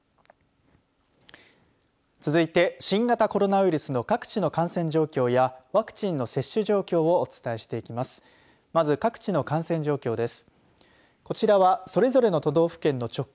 続いて新型コロナウイルスの各地の感染状況やワクチンの接種状況をお伝えしていきます。